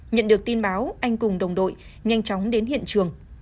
nhận được tin báo anh cùng đồng đội nhanh chóng đến hiện trường